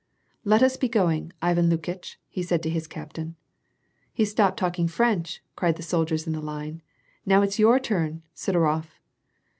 " Let us be going, Ivan Lukitch," said he to his captain. " He's stopped talking French," cried the soldiers in the line, " Now it's your turn, Sidorof